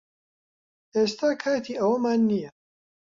ئێستا کاتی ئەوەمان نییە